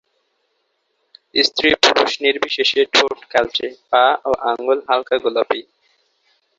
স্ত্রী-পুরুষনির্বিশেষে ঠোঁট কালচে; পা ও আঙুল হালকা গোলাপি।